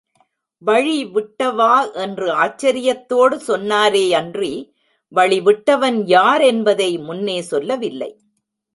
வழிவிட்டவா என்று ஆச்சரியத்தோடு சொன்னாரேயன்றி வழி விட்டவன் யார் என்பதை முன்னே சொல்லவில்லை.